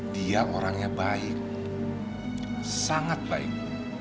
dia orangnya baik sangat baik